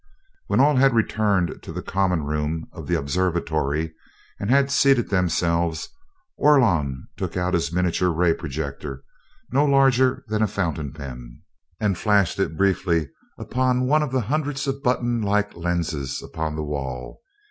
When all had returned to the common room of the observatory and had seated themselves, Orlon took out his miniature ray projector, no larger than a fountain pen, and flashed it briefly upon one of the hundreds of button like lenses upon the wall.